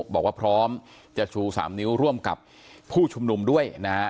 บอกว่าพร้อมจะชู๓นิ้วร่วมกับผู้ชุมนุมด้วยนะฮะ